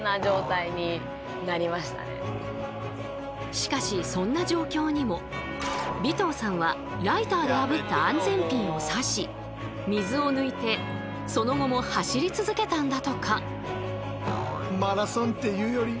しかしそんな状況にも尾藤さんはライターであぶったその後も走り続けたんだとか。